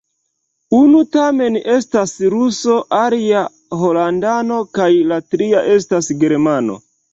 Unu tamen estas ruso, alia holandano kaj la tria estas germano.